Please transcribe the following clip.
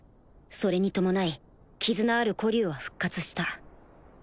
それに伴い絆ある子竜は復活した